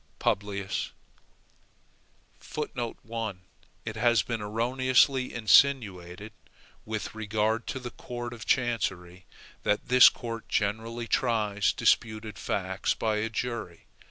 PUBLIUS 1. It has been erroneously insinuated with regard to the court of chancery, that this court generally tries disputed facts by a jury.